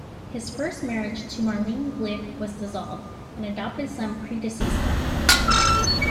His first marriage, to Marlene Glick, was dissolved, and an adopted son predeceased him.